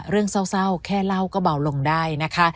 เรื่องเศร้าแค่เล่าก็เบาลงได้นะคะ